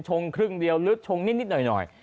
ครึ่งเดียวลึกชงนิดหน่อย